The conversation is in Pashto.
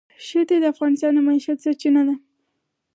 ښتې د افغانانو د معیشت سرچینه ده.